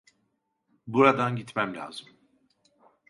Buradan gitmem lazım.